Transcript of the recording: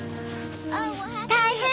大変！